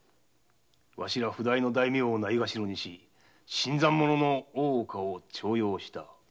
わしら譜代の大名をないがしろにし新参者の大岡を重用した。